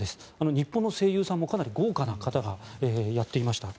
日本の声優さんもかなり豪華な方がやっていました。